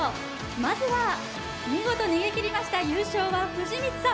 まずは見事逃げ切りました優勝は藤光さん。